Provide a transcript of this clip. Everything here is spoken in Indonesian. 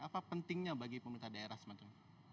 apa pentingnya bagi pemerintah daerah semacam itu